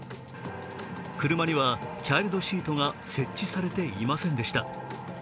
車にはチャイルドシートが設置されていませんでした。